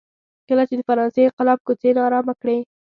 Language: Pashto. کله چې د فرانسې انقلاب کوڅې نا ارامه کړې.